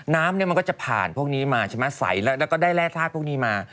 น้ำมันก็จะผ่านพวกนี้มาใช่ไหมใสแล้วก็ได้แร่ธาตุพวกนี้มา